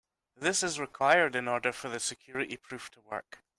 This is required in order for the security proof to work.